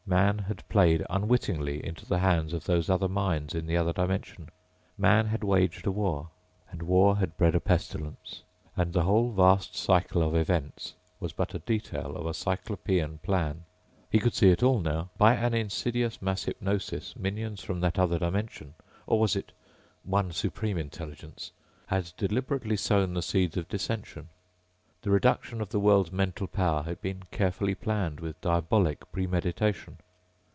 Man had played unwittingly into the hands of those other minds in the other dimension. Man had waged a war and war had bred a pestilence. And the whole vast cycle of events was but a detail of a cyclopean plan. He could see it all now. By an insidious mass hypnosis minions from that other dimension ... or was it one supreme intelligence ... had deliberately sown the seeds of dissension. The reduction of the world's mental power had been carefully planned with diabolic premeditation.